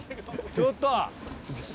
ちょっと。